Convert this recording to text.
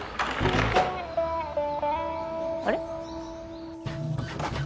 あれ？